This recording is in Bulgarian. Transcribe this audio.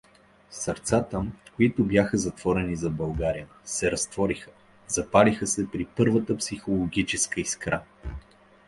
Сърцата, които бяха затворени за България, се разтвориха, запалиха се при първата психологическа искра.